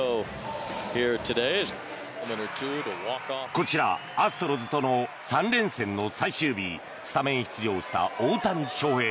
こちらアストロズとの３連戦の最終日スタメン出場した大谷翔平。